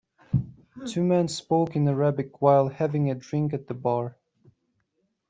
Two men spoke in Arabic while having a drink at the bar.